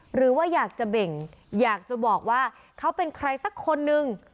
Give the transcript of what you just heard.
หรือว่าอยากจะเบ่งอยากจะบอกว่าเขาเป็นใครสักคนนึง